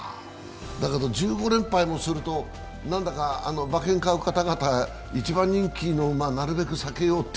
だけど、１５連敗もすると、何だか馬券買う方々も一番人気の馬なるべく避けようと。